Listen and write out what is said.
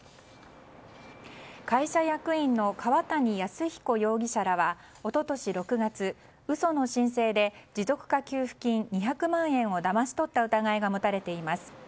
会社役員の川谷泰彦容疑者らは一昨年６月、嘘の申請で持続化給付金２００万円をだまし取った疑いが持たれています。